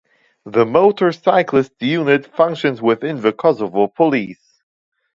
The Motorcyclists Unit functions within the Kosovo Police.